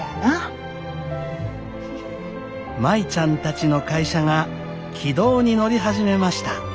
舞ちゃんたちの会社が軌道に乗り始めました。